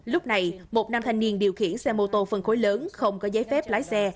lúc này một nam thanh niên điều khiển xe mô tô phân khối lớn không có giấy phép lái xe